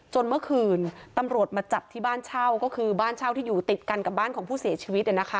เมื่อคืนตำรวจมาจับที่บ้านเช่าก็คือบ้านเช่าที่อยู่ติดกันกับบ้านของผู้เสียชีวิต